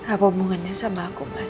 apa hubungannya sama aku mas